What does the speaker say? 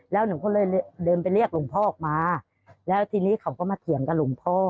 แล้วหนูก็เลยเดินไปเรียกหลวงพ่อออกมาแล้วทีนี้เขาก็มาเถียงกับหลวงพ่อ